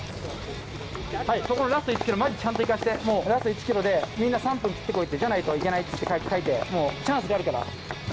ラスト１キロ、まじちゃんと行かせて、もうラスト１キロでみんな３分切ってこいって、じゃないと行けないって書いて、チャンスがあるから。